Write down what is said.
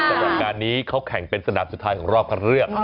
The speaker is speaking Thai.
สำหรับการนี้เขาแข่งเป็นสนามสุดท้ายของรอบคันเลือก